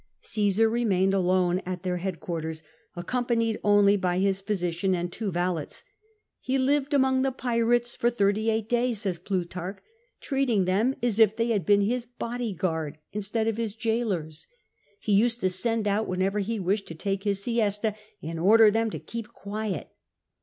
Caesar remained alone at their headquarters, accompanied only by his physician and two valets. " He lived among the pirates for thirty eight days/' say.« Plutarch, " treating them as if they bad been his body guard instead of his gaolers. He used to send out, whenever he wished to take liis siejita, and order them to keep quiet.